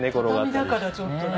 畳だからちょっとね。